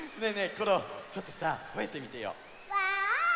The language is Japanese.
コロちょっとさほえてみてよ。ワオーン！